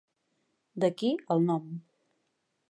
D'aquí el nom.